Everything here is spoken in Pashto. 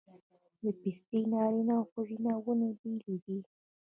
د پستې نارینه او ښځینه ونې بیلې دي؟